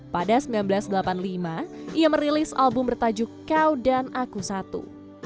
pada seribu sembilan ratus delapan puluh lima ia merilis album bertajuk kau dan aku satu